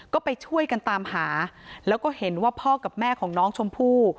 ก็ไปช่วยกันตามหาแล้วก็เห็นว่าพ่อกับแม่ของน้องชมพู่